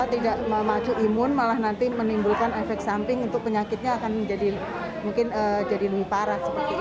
tidak memacu imun malah nanti menimbulkan efek samping untuk penyakitnya akan jadi lebih parah